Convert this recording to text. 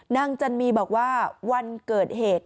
จันมีบอกว่าวันเกิดเหตุ